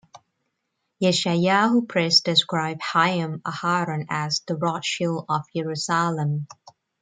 Yeshayahu Press described Haim Aharon as 'the Rothschild of Jerusalem'.